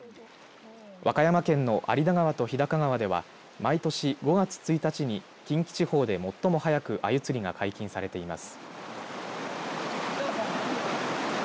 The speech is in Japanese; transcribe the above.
和歌山県の有田川と日高川では毎年５月１日に近畿地方で最も早くあゆ釣りが解禁されています。